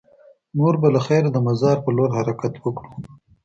نور به له خیره د مزار په لور حرکت وکړو.